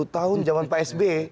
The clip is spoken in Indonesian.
sepuluh tahun jaman pak s b